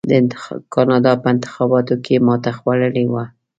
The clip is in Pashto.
د کاناډا په انتخاباتو کې ماته خوړلې وه.